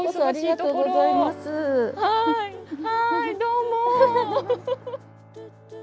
はいどうも。